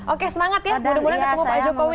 oke semangat ya muda muda ketemu pak jokowi